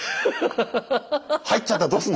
「入っちゃったらどうすんの？」